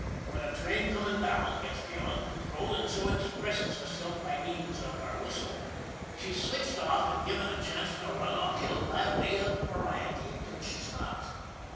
Whin a train comin' down gets beyond control an' so expresses herself by means av her whistle, she's switched off an' given a chance to run SHANLEY'S LUCK 109 uphill by way av variety until she stops.